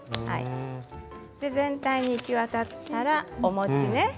全体に行き渡ったらお餅ね。